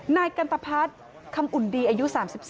นายกันตภัทรคำอุ่นดีอายุ๓๔